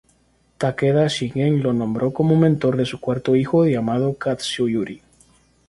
Takeda Shingen lo nombró como mentor de su cuarto hijo llamado Katsuyori.